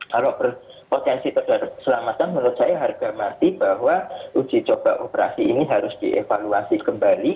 kalau berpotensi terhadap keselamatan menurut saya harga mati bahwa uji coba operasi ini harus dievaluasi kembali